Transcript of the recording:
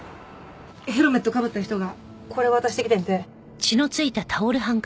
ヘルメットかぶった人がこれ渡してきてんて。